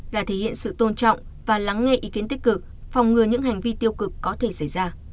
là thể hiện sự tôn trọng và lắng nghe ý kiến tích cực phòng ngừa những hành vi tiêu cực có thể xảy ra